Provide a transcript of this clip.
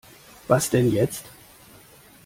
Was denn jetzt?